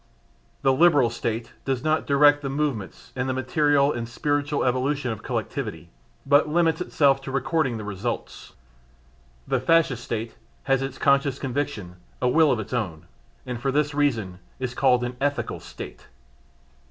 The Liberal State does not direct the movement and the material and spiritual evolution of collectivity, but limits itself to recording the results; the Fascist State has its conscious conviction, a will of its own, and for this reason it is called an "ethical" State.